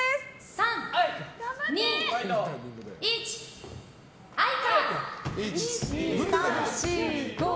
３、２、１愛花！